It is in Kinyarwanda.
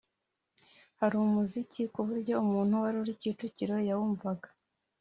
Hari umuziki ku buryo umuntu wari ku Kicukiro yawumvaga